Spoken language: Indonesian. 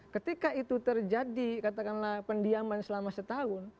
ketika itu terjadi katakanlah pendiaman selama setahun